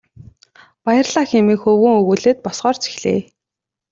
Баярлалаа хэмээн хөвгүүн өгүүлээд босохоор зэхлээ.